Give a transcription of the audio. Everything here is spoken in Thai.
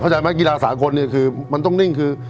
เข้าใจไหมกีฬาสากลมันต้องนิ่ง